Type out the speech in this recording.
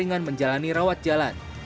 sedangkan menjalani rawat jalan